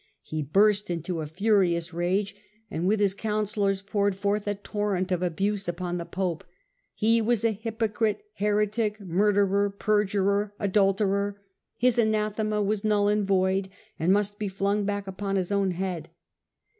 He burst into a furious rage, and, with his counsellors, poured forth a torrent of abuse upon the pope ; he was a hypocrite, heretic, murderer, perjurer, adulterer ; his anathema was null The king and void, and must be flung back upon his retaliate own head.